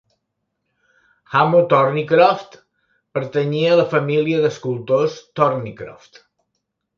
Hamo Thornycroft pertanyia a la família d'escultors Thornycroft.